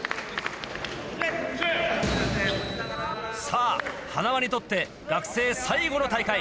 さぁ塙にとって学生最後の大会。